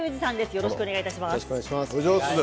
よろしくお願いします。